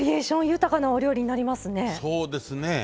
豊かなお料理になりますね。